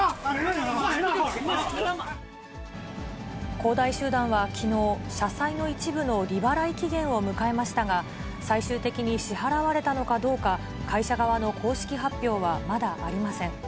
恒大集団はきのう、社債の一部の利払い期限を迎えましたが、最終的に支払われたのかどうか、会社側の公式発表はまだありません。